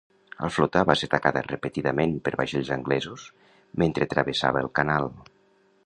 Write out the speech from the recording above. La flota va ser atacada repetidament per vaixells anglesos mentre travessava el canal.